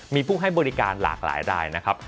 มีผู้ให้บริการหลากหลายรายนะครับ